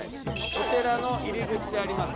お寺の入り口であります